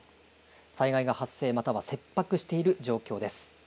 災害が発生、または切迫している状況です。